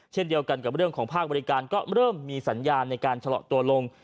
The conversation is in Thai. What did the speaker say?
เช่นเดียวกันกับเรื่องของภาคบริการก็เริ่มมีสัญญาณในการชะลอตัวลง